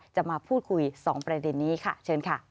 จะมาพูดคุย๒ประเด็นนี้ขอบคุณครับ